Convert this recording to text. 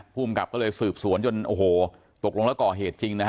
ผู้มันกลับก็เลยสืบสวนจนตกลงแล้วก่อเหตุจริง